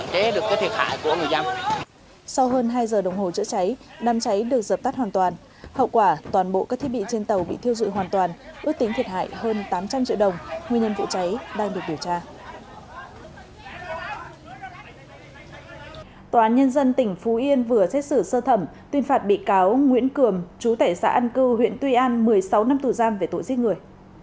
tòa án nhân dân tỉnh phú yên vừa xét xử sơ thẩm tuyên phạt bị cáo nguyễn cường chú tể xã an cưu huyện tuy an một mươi sáu năm tù giam về tội giết người